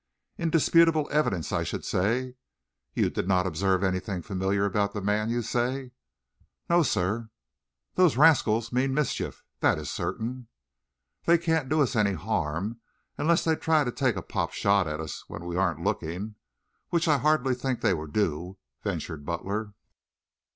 "Indisputable evidence, I should say. You did not observe anything familiar about the man, you say?" "No, sir." "Those rascals mean mischief. That is certain." "They can't do us any harm unless they try to take a pot shot at us when we aren't looking, which I hardly think they will do," ventured Butler.